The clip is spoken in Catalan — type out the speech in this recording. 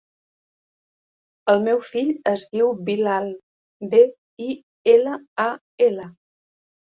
El meu fill es diu Bilal: be, i, ela, a, ela.